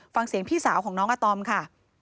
ฟังเสียงพี่สาวของน้องอาตอมค่ะ